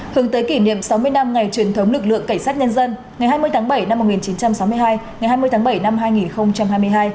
hướng tới kỷ niệm sáu mươi năm ngày truyền thống lực lượng cảnh sát nhân dân ngày hai mươi tháng bảy năm một nghìn chín trăm sáu mươi hai ngày hai mươi tháng bảy năm hai nghìn hai mươi hai